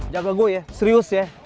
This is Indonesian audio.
jaga gue ya serius ya